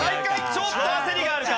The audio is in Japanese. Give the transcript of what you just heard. ちょっと焦りがあるか。